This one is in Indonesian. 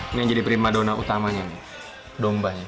ini yang jadi prima donna utamanya dombanya